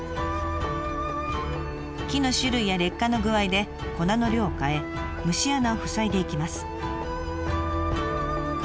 木の種類や劣化の具合で粉の量を変え虫穴を塞いでいきます。